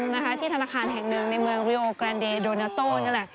ทำธุรกรรมที่ธนาคารแห่งหนึ่งในเมืองริโอเกรนเดโดนาโต้น